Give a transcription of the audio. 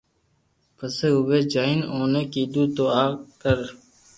پسي اووي جائين اوني ڪيڌو تو آ ڪر